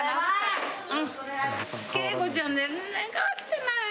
佳子ちゃん全然変わってない。